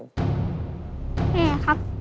แม่ครับ